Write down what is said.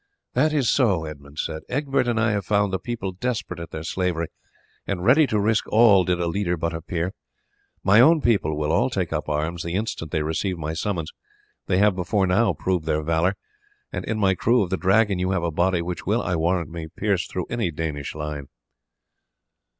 "That is so," Edmund said; "Egbert and I have found the people desperate at their slavery, and ready to risk all did a leader but appear. My own people will all take up arms the instant they receive my summons; they have before now proved their valour, and in my crew of the Dragon you have a body which will, I warrant me, pierce through any Danish line."